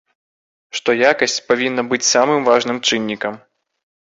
Што якасць павінна быць самым важным чыннікам.